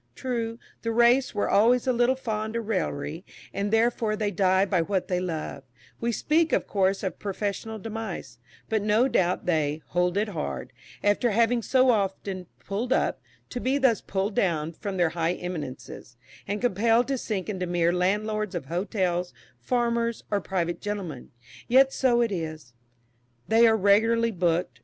True, the race were always a little fond of raillery, and therefore they die by what they love we speak of course of professional demise but no doubt they "hold it hard," after having so often "pulled up" to be thus pulled down from their "high eminences," and compelled to sink into mere landlords of hotels, farmers, or private gentlemen. Yet so it is. They are "regularly booked."